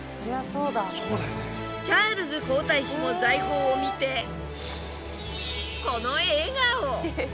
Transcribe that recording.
チャールズ皇太子も財宝を見てこの笑顔。